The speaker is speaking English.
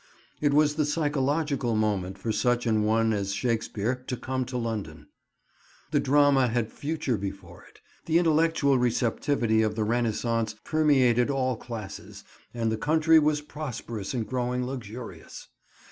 It was the psychological moment for such an one as Shakespeare to come to London. The drama had future before it: the intellectual receptivity of the Renascence permeated all classes, and the country was prosperous and growing luxurious.